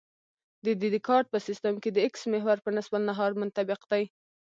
د دیکارت په سیستم کې د اکس محور په نصف النهار منطبق دی